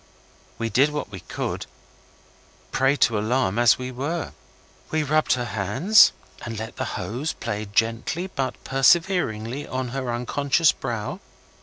We did what we could, a prey to alarm as we were. We rubbed her hands and let the hose play gently but perseveringly on her unconscious brow.